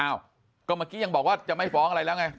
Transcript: ก็เมื่อกี้ยังบอกว่าจะไม่ฟ้องอะไรแล้วไง